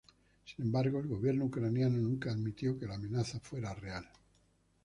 Sin embargo, el gobierno ucraniano nunca admitió que la amenaza fuera real.